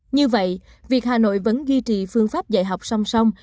như vậy việc hà nội vẫn duy trì phương pháp dạy học song song